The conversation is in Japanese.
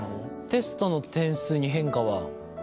テストの点数に変化は？